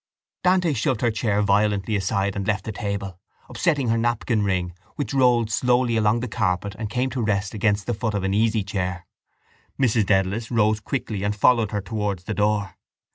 Dante shoved her chair violently aside and left the table, upsetting her napkinring which rolled slowly along the carpet and came to rest against the foot of an easychair. Mrs Dedalus rose quickly and followed her towards the door.